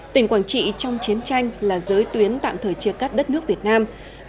tỉnh quảng trị trong chiến tranh là giới tuyến tạm thời chia cắt đất nước việt nam